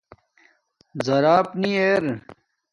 زراپ نی ار